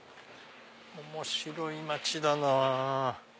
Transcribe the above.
面白い街だな。